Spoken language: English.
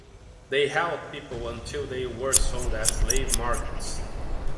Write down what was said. They held people until they were sold at slave markets.